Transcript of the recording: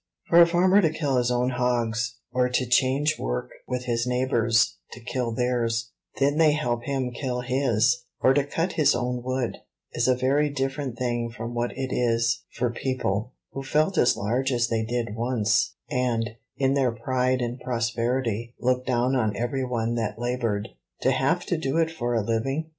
For a farmer to kill his own hogs, or to change work with his neighbors to kill theirs, then they help him kill his, or to cut his own wood, is a very different thing from what it is for people, who felt as large as they did once, and, in their pride and prosperity, looked down on every one that labored, to have to do it for a living.